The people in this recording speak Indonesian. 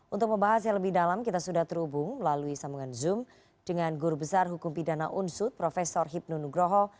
untuk membahas yang lebih dalam kita sudah terhubung melalui sambungan zoom dengan guru besar hukum pidana unsut prof hipnu nugroho